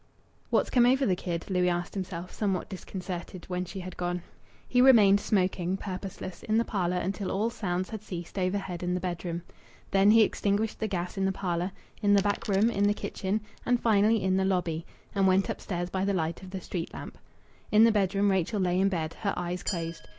"What's come over the kid?" Louis asked himself, somewhat disconcerted, when she had gone. He remained smoking, purposeless, in the parlour until all sounds had ceased overhead in the bedroom. Then he extinguished the gas in the parlour, in the back room, in the kitchen, and finally in the lobby, and went upstairs by the light of the street lamp. In the bedroom Rachel lay in bed, her eyes closed.